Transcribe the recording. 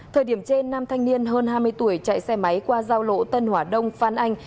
thời điểm trên nam thanh niên hơn hai mươi tuổi chạy xe máy qua giao lộ tân hỏa đông phan anh